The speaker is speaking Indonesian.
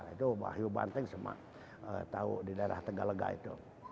itu wahyu banteng semua tahu di daerah tegalega itu